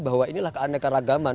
bahwa inilah keanekaragaman